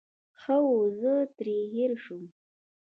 ښه وو، زه ترې هېر شوم.